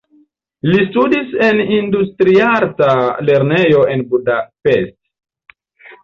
Li studis en industriarta lernejo en Budapest.